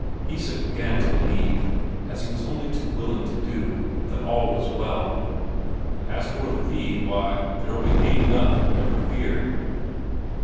Isak began to believe, as he was only too willing to do, that all was well. "As for the feed, why, there'll be feed enough, never fear."